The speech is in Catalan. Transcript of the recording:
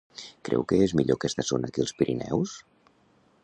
Creu que és millor aquesta zona que els Pirineus?